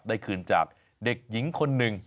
ได้คืนจากเด็กหญิงคนหนึ่ง